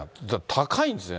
高いんですね。